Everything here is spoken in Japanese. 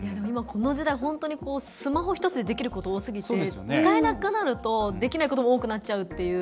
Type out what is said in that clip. この時代スマホ１つで、できること多すぎて、使えなくなるとできないことも多くなっちゃうって。